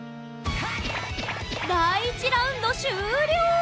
第１ラウンド終了！